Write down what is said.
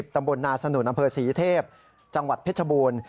ตำบลนาสนุนอำเภอศรีเทพจังหวัดเพชรบูรณ์